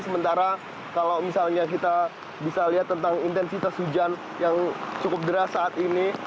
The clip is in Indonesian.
sementara kalau misalnya kita bisa lihat tentang intensitas hujan yang cukup deras saat ini